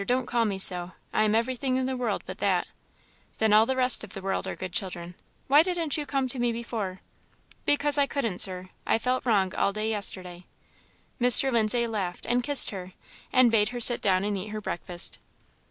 don't call me so; I am everything in the world but that." "Then all the rest of the world are good children. Why didn't you come to me before?" "Because I couldn't, Sir; I felt wrong all day yesterday." Mr. Lindsay laughed, and kissed her, and bade her sit down and eat her breakfast.